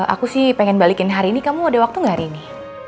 aku sih pengen balikin hari ini kamu ada waktu gak hari ini